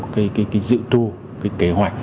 cái dự tru cái kế hoạch